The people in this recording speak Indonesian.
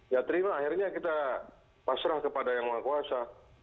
ya terima akhirnya kita pasrah kepada yang maha kuasa